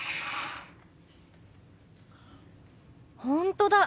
本当だ！